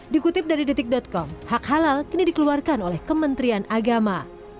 dikutip dari detik com hak halal kini dikeluarkan oleh kementerian agama